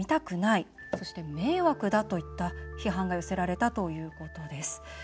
そして、迷惑だといった批判が寄せられたということです。